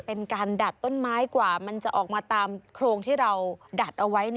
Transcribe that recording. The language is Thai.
เป็นการดัดต้นไม้กว่ามันจะออกมาตามโครงที่เราดัดเอาไว้